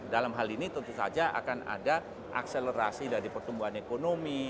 dalam hal ini tentu saja akan ada akselerasi dari pertumbuhan ekonomi